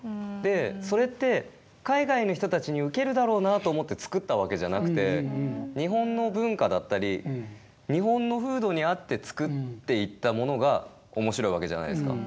それって海外の人たちに受けるだろうなと思って作ったわけじゃなくて日本の文化だったり日本の風土に合って作っていったものが面白いわけじゃないですか。